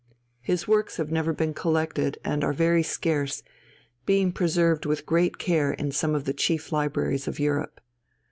His works have never been collected, and are very scarce, being preserved with great care in some of the chief libraries of Europe.